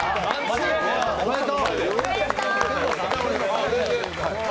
おめでとう。